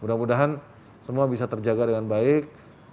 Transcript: mudah mudahan semua bisa terjaga dengan baik